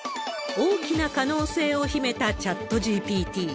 大きな可能性を秘めたチャットＧＰＴ。